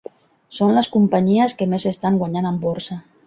Són les companyies que més estan guanyant en borsa.